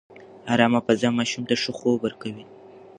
ارامه فضا ماشوم ته ښه خوب ورکوي.